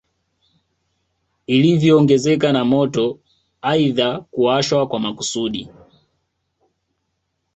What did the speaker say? Ilivyoongezeka na moto aidha kuwashwa kwa makusudi